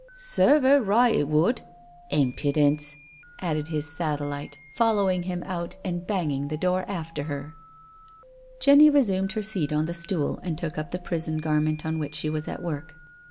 " Serve 'er right it would— impudence," added his satellite, following him out and banging the door after her. 262 NO SURRENDER Jenny resumed her seat on the stool and took up the prison garment on which she was at work.